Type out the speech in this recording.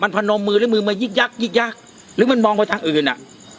พนมมือหรือมือมายึกยักษิกยักษ์หรือมันมองไปทางอื่นอ่ะ